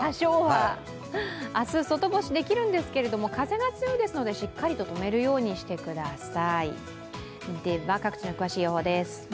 明日、外干しできるんですけれども、風が強いので、しっかりとめるようにしてください。